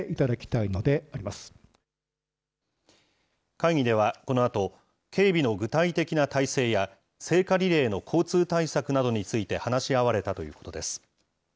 会議ではこのあと、警備の具体的な態勢や、聖火リレーの交通対策などについて話し合われたということです。